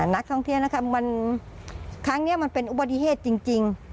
นักท่องเที่ยวนะครับครั้งนี้มันเป็นอุบัติเหตุจริง